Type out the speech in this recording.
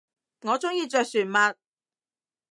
我中意着船襪